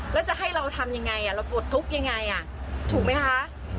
แล้วจะให้เราทำยังไงเราปลดทุกข์ยังไงถูกไหมคะ